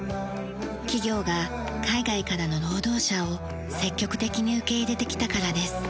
企業が海外からの労働者を積極的に受け入れてきたからです。